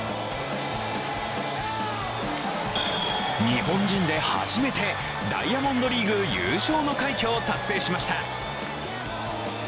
日本人で初めてダイヤモンドリーグ優勝の快挙を達成しました。